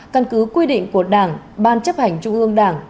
căn cứ quy định của đảng ban chấp hành trung ương đảng